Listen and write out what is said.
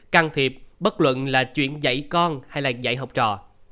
can thiệp bất luận là chuyện dạy con hay là dạy học trò